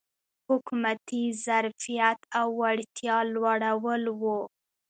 حکومتي ظرفیت او وړتیا لوړول و.